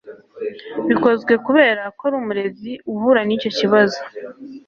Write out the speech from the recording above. bikozwe kubera ko uri umurezi uhura n'icyo kibazo